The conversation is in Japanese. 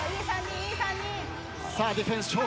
さあディフェンス笑